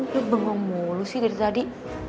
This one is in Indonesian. itu bengong mulu sih dari tadi